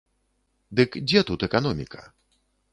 Дык дзе тут эканоміка?